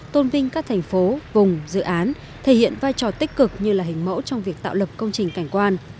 tôn vinh các thành phố vùng dự án thể hiện vai trò tích cực như là hình mẫu trong việc tạo lập công trình cảnh quan